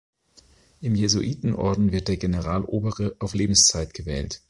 Im Jesuitenorden wird der Generalobere auf Lebenszeit gewählt.